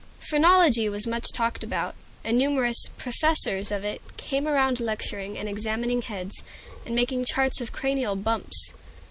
Phrenology was much talked about; and numerous "professors" of it came around lecturing, and examining heads, and making charts of cranial "bumps."